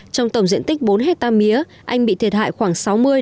trong tổng diện tích bốn hectare mía anh bị thiệt hại khoảng sáu mươi ba mươi